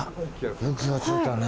よく気がついたね。